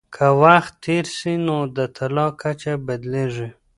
که وخت تېر سي نو د طلاق کچه بدلیږي.